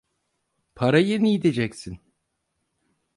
Parayı nideceksin?